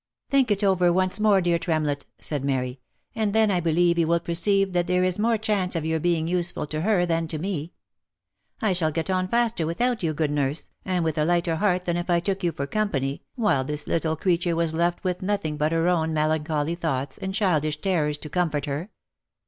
'* Think it over once more, dear Tremlett," said Mary, " and then I believe you will perceive that there is more chance of your being use ful to her, than to me. I shall get on faster without you, good nurse, and with a lighter heart than if I took you for company, while this little creature was left with nothing but her own melancholy thoughts and childish terrors to comfort her."